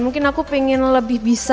mungkin aku pengen lebih bisa gitu ya